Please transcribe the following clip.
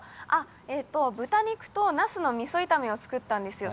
豚肉となすのみそ炒めを作ったんですよ。